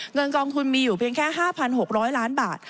เงินกองทุนมีอยู่เพียงแค่๕๖๐๐ล้านบาท